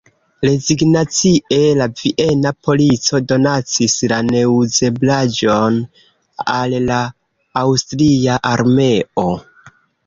Rezignacie la viena polico donacis la neuzeblaĵon al la aŭstria armeo.